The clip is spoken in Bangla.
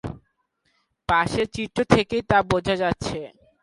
পাশের চিত্র থেকেই তা বোঝা যাচ্ছে।